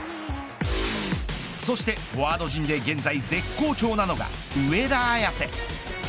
そしてフォワード陣で現在絶好調なのが上田綺世。